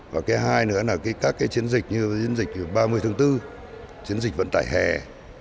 và cái hai nữa là các chiến dịch như chiến dịch ba mươi tháng bốn chiến dịch vận tải hè và các chiến dịch mà nó thuộc về các điều kiện